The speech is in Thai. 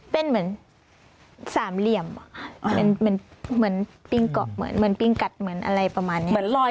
เป็นเหมือนสามเหลี่ยมเหมือนปิ้งกัดอะไรประมาณนี้